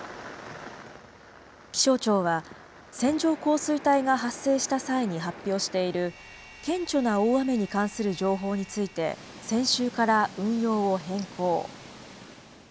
気象庁は、線状降水帯が発生した際に発表している、顕著な大雨に関する情報について、先週から運用を変更。